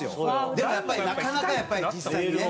でもやっぱりなかなかやっぱり実際にね。